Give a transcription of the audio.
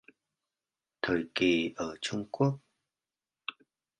Thời kỳ ở Trung Quốc